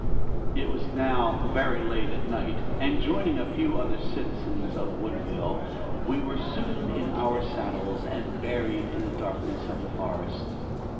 It was now very late at night; and joining a few other citizens of Woodville, we were soon in our saddles and buried in the darkness of the forest.